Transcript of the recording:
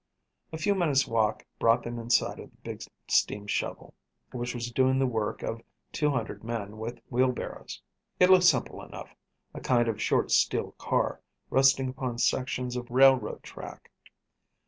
A few minutes' walk brought them in sight of the big steam shovel, which was doing the work of two hundred men with wheelbarrows. It looked simple enough, a kind of short steel car, resting upon sections of railroad track.